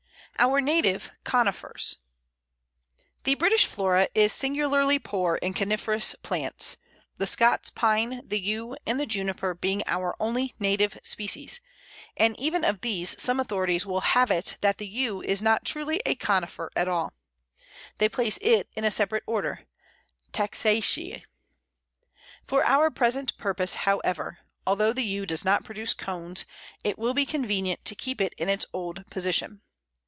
Our Native Conifers. The British flora is singularly poor in coniferous plants, the Scots Pine, the Yew, and the Juniper being our only native species, and even of these some authorities will have it that the Yew is not truly a Conifer at all; they place it in a separate order Taxaceæ. For our present purpose, however, although the Yew does not produce cones, it will be convenient to keep it in its old position.